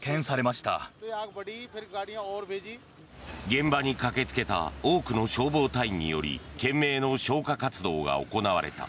現場に駆けつけた多くの消防隊員により懸命の消火活動が行われた。